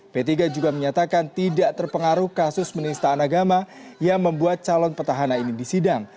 p tiga juga menyatakan tidak terpengaruh kasus menistaan agama yang membuat calon petahana ini disidang